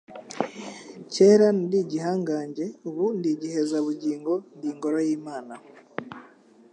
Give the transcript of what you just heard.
kera nari igihangange. Ubu ndi igihezabugingo, ndi ingoro y'Imana,